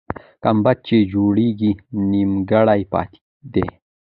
ګمبد چې جوړېږي، نیمګړی پاتې دی.